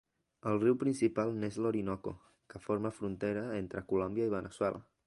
El riu principal n'és l'Orinoco, que forma frontera entre Colòmbia i Veneçuela.